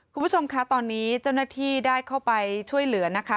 คุณผู้ชมคะตอนนี้เจ้าหน้าที่ได้เข้าไปช่วยเหลือนะคะ